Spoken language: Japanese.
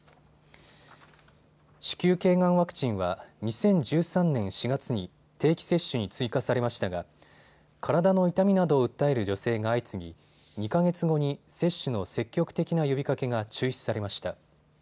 子宮頸がんワクチンは２０１３年４月に定期接種に追加されましたが体の痛みなどを訴える女性が相次ぎ２か月後に接種の積極的な呼びかけが中止されました。